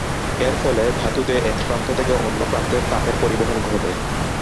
এর ফলে ধাতুতে এক প্রান্ত থেকে অন্য প্রান্তে তাপের পরিবহন ঘটে।